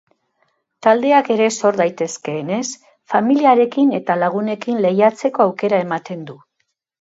Taldeak ere sor daitezkeenez, familiarekin eta lagunekin lehiatzeko aukera ematen du.